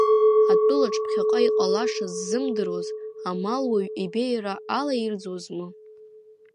Атәылаҿ ԥхьаҟа иҟалашаз ззымдыруаз амалуаҩ ибеиара алаирӡуазма?!